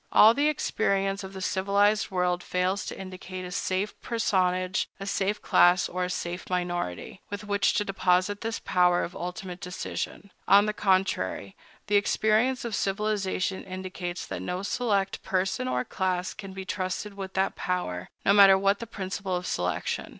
All the experience of the civilized world fails to indicate a safe personage, a safe class, or a safe minority, with which to deposit this power of ultimate decision. On the contrary, the experience of civilization indicates that no select person or class can be trusted with that power, no matter what the principle of selection.